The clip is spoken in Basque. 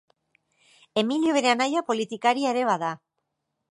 Emilio bere anaia politikaria ere bada.